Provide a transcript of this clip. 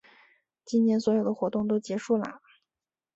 今年所有的活动都结束啦